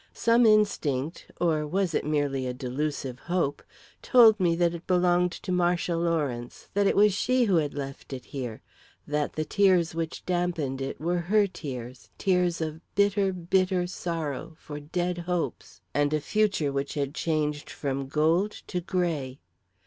Some instinct or was it merely a delusive hope? told me that it belonged to Marcia Lawrence that it was she who had left it here that the tears which dampened it were her tears, tears of bitter, bitter sorrow for dead hopes and a future which had changed from gold to grey.